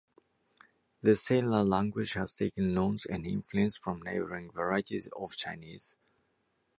The Salar language has taken loans and influence from neighboring varieties of Chinese.